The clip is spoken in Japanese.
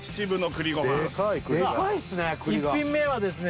栗が１品目はですね